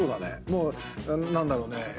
もう何だろうね。